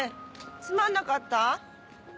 つまんなかった？